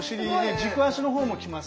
軸脚の方もきます。